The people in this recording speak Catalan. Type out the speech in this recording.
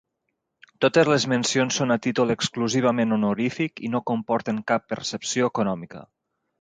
Totes les mencions són a títol exclusivament honorífic i no comporten cap percepció econòmica.